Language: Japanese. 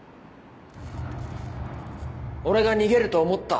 俺が逃げると思った？